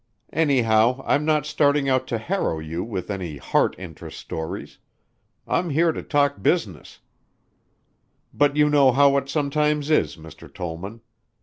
Anyhow I'm not starting out to harrow you with any heart interest stories.... I'm here to talk business, but you know how it sometimes is, Mr. Tollman.